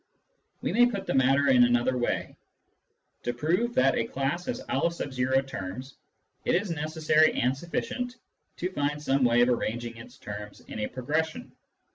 We may put the matter in another way. To prove that a class has M terms, it is necessary and sufficient to find some way of arranging its terms in a progression.